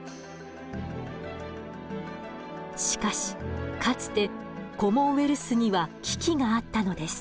しかしかつてコモンウェルスには危機があったのです。